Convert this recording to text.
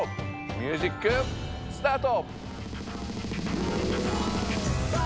ミュージックスタート！